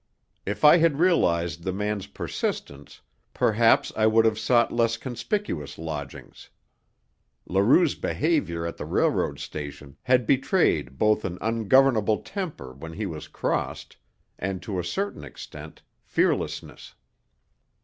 If I had realized the man's persistence, perhaps I would have sought less conspicuous lodgings. Leroux's behaviour at the railroad station had betrayed both an ungovernable temper when he was crossed, and to a certain extent, fearlessness.